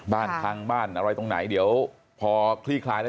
พังบ้านอะไรตรงไหนเดี๋ยวพอคลี่คลายแล้ว